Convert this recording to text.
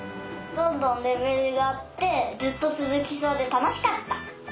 どんどんレベルがあってずっとつづきそうでたのしかった！